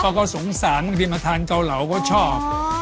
เขาก็สงสารบางทีมาทานเกาเหลาก็ชอบ